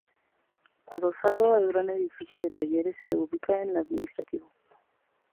Adosado al gran edificio de talleres se ubica el administrativo.